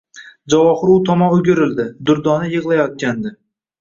Javohir u tomon o`girildi, Durdorna yig`layotgandi